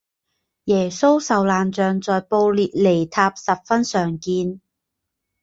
耶稣受难像在布列尼塔十分常见。